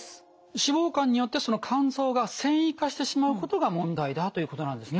脂肪肝によってその肝臓が線維化してしまうことが問題だということなんですね。